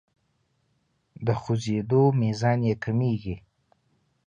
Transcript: د خوځیدو میزان یې کمیږي.